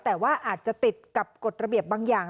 แต่ว่าอาจจะติดกับกฎระเบียบบางอย่าง